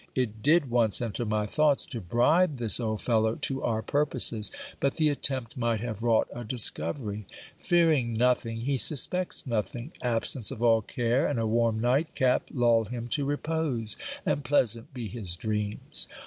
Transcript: It did once enter my thoughts to bribe this old fellow to our purposes, but the attempt might have wrought a discovery. Fearing nothing, he suspects nothing; absence of all care and a warm night cap lull him to repose: and pleasant be his dreams.